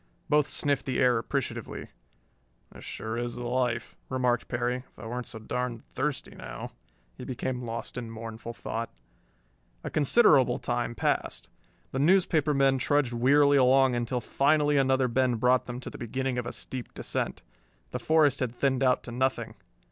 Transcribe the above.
Both sniffed the air appreciatively. "This is sure the life," remarked Perry. "If I weren't so darn thirsty now...." He became lost in mournful thought. A considerable time passed. The newspaper men trudged wearily along until finally another bend brought them to the beginning of a steep descent. The forest had thinned out to nothing.